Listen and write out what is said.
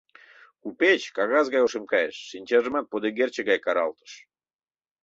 Купеч кагаз гай ошем кайыш, шинчажымат подэгерче гай каралтыш.